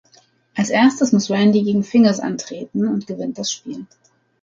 Als Erstes muss Randy gegen 'Fingers' antreten und gewinnt das Spiel.